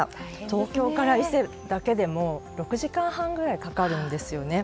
東京から伊勢だけでも６時間半くらいかかるんですよね。